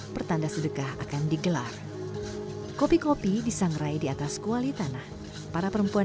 pertanda sedekah akan digelar kopi kopi disangrai di atas kuali tanah para perempuan